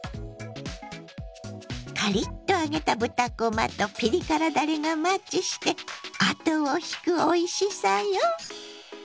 カリッと揚げた豚こまとピリ辛だれがマッチして後を引くおいしさよ。